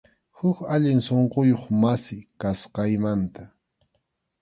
Huk allin sunquyuq masi, kasqaymanta.